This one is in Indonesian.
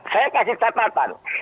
saya kasih catatan